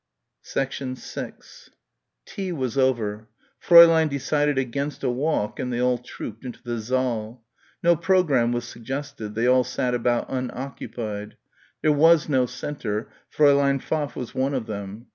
6 Tea was over. Fräulein decided against a walk and they all trooped into the saal. No programme was suggested; they all sat about unoccupied. There was no centre; Fräulein Pfaff was one of them.